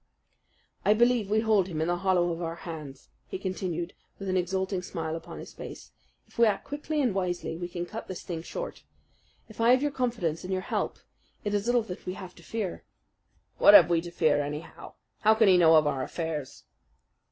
"I believe we hold him in the hollow of our hands," he continued with an exulting smile upon his face. "If we act quickly and wisely, we can cut this thing short. If I have your confidence and your help, it is little that we have to fear." "What have we to fear, anyhow? What can he know of our affairs?"